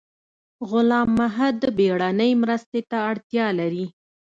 غلام محد بیړنۍ مرستې ته اړتیا لري